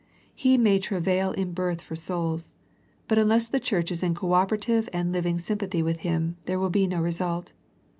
He may travail in birth for souls, but unless the church is in co operative and living sym pathy with him, there will be no result.